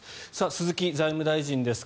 鈴木財務大臣です。